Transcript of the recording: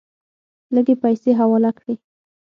لږې پیسې حواله کړې.